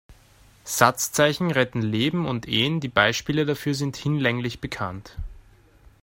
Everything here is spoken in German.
Satzzeichen retten Leben und Ehen, die Beispiele dafür sind hinlänglich bekannt.